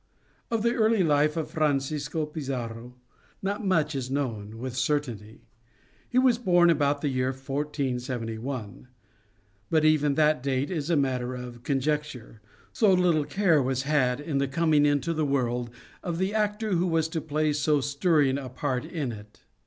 Of the early life of Francisco Pizarro not much is known with certainty. He was born about the year 1471; but even that date is a matter of conjecture, so little care was had of the coming into the world of the actor who was to play so stirring a part in it.